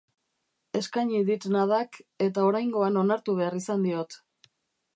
Eskaini dit Nadak, eta oraingoan onartu behar izan diot.